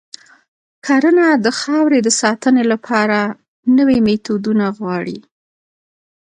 کرنه د خاورې د ساتنې لپاره نوي میتودونه غواړي.